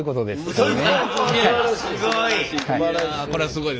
すごい。